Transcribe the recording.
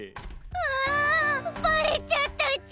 うわバレちゃったち。